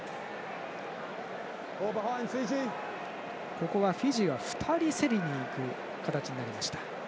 ここはフィジーは２人競りにいく形になりました。